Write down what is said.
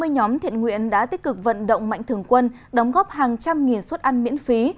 ba mươi nhóm thiện nguyện đã tích cực vận động mạnh thường quân đóng góp hàng trăm nghìn suất ăn miễn phí